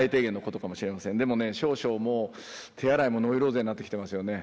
でもね少々もう手洗いもノイローゼになってきてますよね。